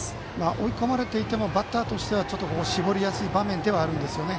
追い込まれていてもバッターとしては絞りやすい場面ですね。